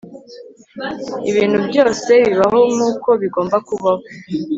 ibintu byose bibaho nkuko bigomba kubaho